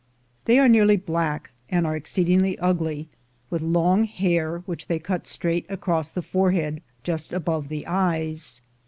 They are nearly black, and are exceedingly ugly, with long hair, which they cut straight across the forehead just above the eyes.